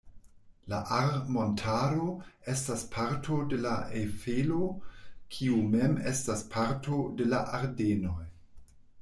La Ahr-montaro estas parto de la Ejfelo, kiu mem estas parto de la Ardenoj.